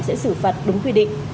sẽ xử phạt đúng quy định